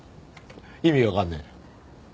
意味わかんない。